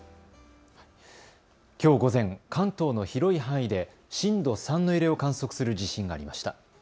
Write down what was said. きょう午前、関東の広い範囲で震度３の揺れを観測する地震がありました。